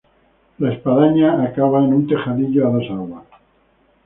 La espadaña acaba en un tejadillo a dos aguas.